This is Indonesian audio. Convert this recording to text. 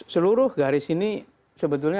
seluruh garis ini sebetulnya